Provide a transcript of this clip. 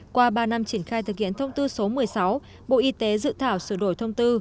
qua ba năm triển khai thực hiện thông tư số một mươi sáu bộ y tế dự thảo sửa đổi thông tư